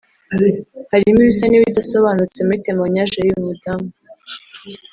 harimo ibisa n’ibidasobanutse muri témoignage y’uyu mudamu